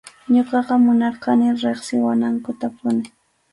Ñuqaqa munarqani riqsiwanankutapuni.